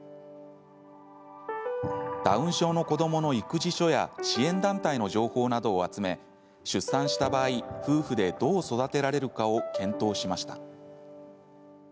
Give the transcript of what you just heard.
ダウン症の子どもの育児書や支援団体の情報などを集め出産した場合、夫婦でどう育てられるかを検討しました。